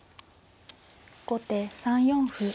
後手３四歩。